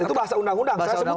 itu bahasa undang undang